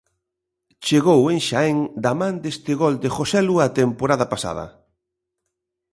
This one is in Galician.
Chegou en Xaén da man deste gol de Joselu a temporada pasada.